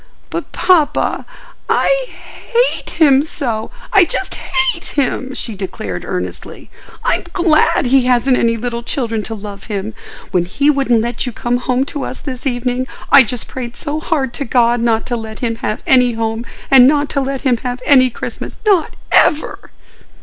"But, papa, I hate him so—I just hate him!" she declared, earnestly. "I'm glad he hasn't any little children to love him. When he wouldn't let you come home to us this evening, I just prayed so hard to God not to let him have any home and not to let him have any Christmas—not ever!"